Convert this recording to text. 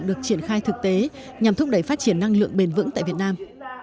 được triển khai thực tế nhằm thúc đẩy phát triển năng lượng bền vững tại việt nam